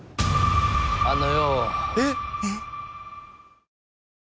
あのよ。